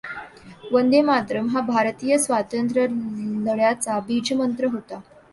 वंदे मातरम् हा भारतीय स्वातंत्र्य लढ्याचा बीजमंत्र होता.